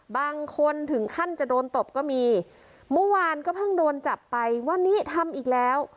บางคนถึงขั้นจะโดนตบก็มีเมื่อวานก็เพิ่งโดนจับไปวันนี้ทำอีกแล้ว